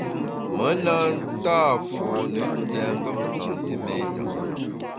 Me na nta fone tiengem santiméta.